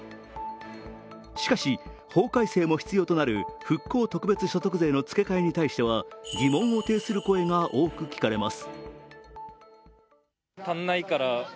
しかし、法改正も必要となる復興特別所得税の付け替えに対しては疑問を呈する声が多く聞かれます。